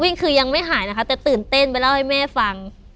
คือยังไม่หายนะคะแต่ตื่นเต้นไปเล่าให้แม่ฟัง